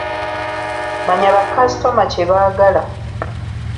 Manya bakasitoma kye baagala.